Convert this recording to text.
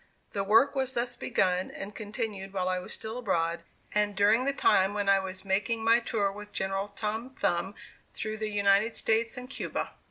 The work was thus begun and continued while I was still abroad, and during the time when I was making my tour with General Tom Thumb through the United States and Cuba.